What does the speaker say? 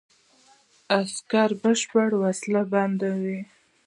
عسکر بشپړ وسله بند وو.